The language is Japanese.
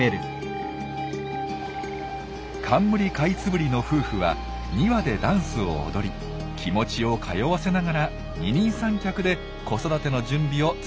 カンムリカイツブリの夫婦は２羽でダンスを踊り気持ちを通わせながら二人三脚で子育ての準備を続けます。